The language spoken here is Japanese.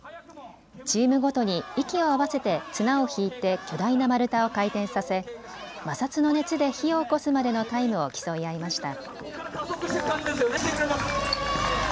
チームごとに息を合わせて綱を引いて巨大な丸太を回転させ摩擦の熱で火をおこすまでのタイムを競い合いました。